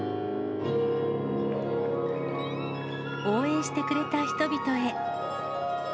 応援してくれた人々へ。